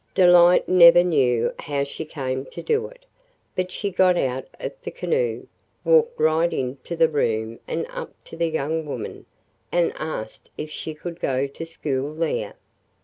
Delight never knew how she came to do it, but she got out of the canoe, walked right into the room and up to the young woman and asked if she could go to school there.